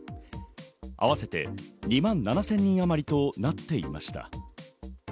合わせて２万７０００人あまりとなっていました。